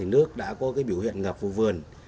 nước đã có biểu hiện ngập vô vườn